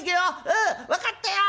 「うん分かったよ！」